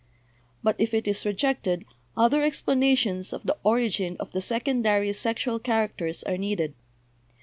But if it is rejected other explanations of the origin of the secondary sexual characters are needed.